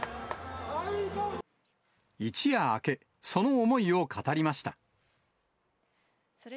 一夜明け、その思いを語りました。